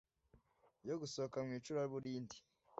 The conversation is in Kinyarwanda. yo gusohoka mwi icuraburindi